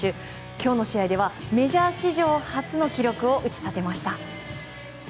今日の試合ではメジャー史上初の記録を打ち立てました。